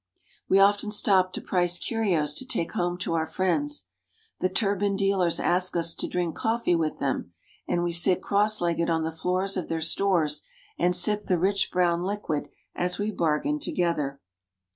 We often stop to price curios to take home to our friends. The turbaned dealers ask us to drink coffee with them, and we sit cross legged on the floors of their stores and sip the rich brown liquid as we bargain to gether.